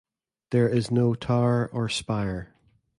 There is no tower or spire.